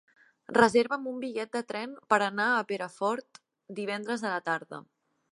Reserva'm un bitllet de tren per anar a Perafort divendres a la tarda.